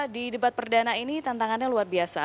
di debat perdana ini tantangannya luar biasa